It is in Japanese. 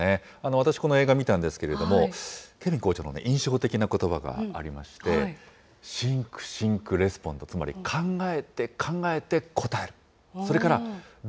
私、この映画見たんですけれども、ケヴィン校長の印象的なことばがありまして、シンク、シンク、、つまり考えて考えてこたえる。